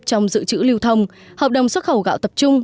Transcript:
trong dự trữ lưu thông hợp đồng xuất khẩu gạo tập trung